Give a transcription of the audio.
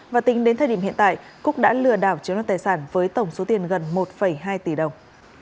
và tính đến thời điểm hiện tại cúc đã lừa đảo chiếm đoạt tài sản với tổng số tiền gần một hai tỷ đồng